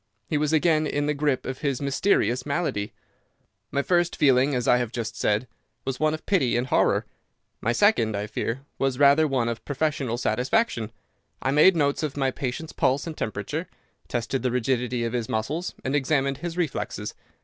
He was again in the grip of his mysterious malady. "My first feeling, as I have just said, was one of pity and horror. My second, I fear, was rather one of professional satisfaction. I made notes of my patient's pulse and temperature, tested the rigidity of his muscles, and examined his reflexes.